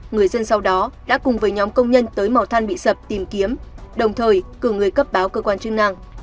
người dân sau đó đã cùng với nhóm công nhân tới màu than bị sập tìm kiếm đồng thời cử người cấp báo cơ quan chức năng